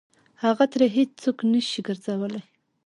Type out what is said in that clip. هغه ترې هېڅ څوک نه شي ګرځولی.